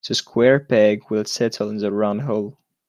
The square peg will settle in the round hole.